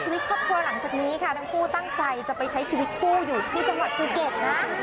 วันนี้ค่ะทั้งคู่ตั้งใจจะไปใช้ชีวิตผู้อยู่ที่จังหวัดตรูเก็ตนะ